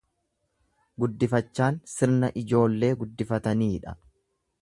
Guddifachaan sirna ijoollee guddifataniidha.